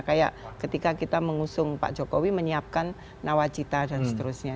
kayak ketika kita mengusung pak jokowi menyiapkan nawacita dan seterusnya